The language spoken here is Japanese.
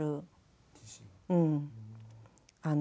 うん。